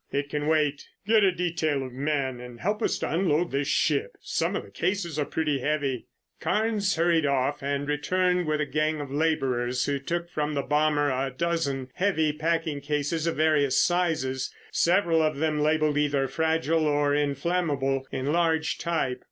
"It can wait. Get a detail of men and help us to unload this ship. Some of the cases are pretty heavy." Carnes hurried off and returned with a gang of laborers, who took from the bomber a dozen heavy packing cases of various sizes, several of them labelled either "Fragile" or "Inflammable" in large type.